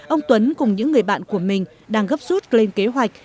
ông tuấn cùng những người bạn của mình đang gấp rút lên kế hoạch